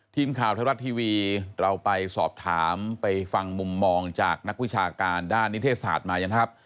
ทีมข่าวไทยรัฐทีวีเราไปสอบถามไปฟังมุมมองจากนักวิชาการด้านนิเทศศาสตร์มานะครับ